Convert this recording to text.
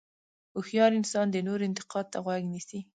هوښیار انسان د نورو انتقاد ته غوږ نیسي.